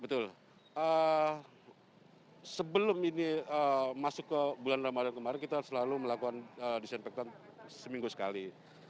betul sebelum ini masuk ke bulan ramadan kemarin kita selalu melakukan disinfektan seminggu sekali